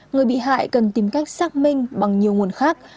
người bị hại cần tìm cách xác minh bằng nhiều nguồn khác